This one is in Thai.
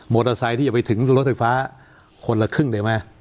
ไซค์ที่จะไปถึงรถไฟฟ้าคนละครึ่งได้ไหม